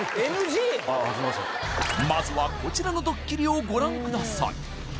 まずはこちらのドッキリをご覧ください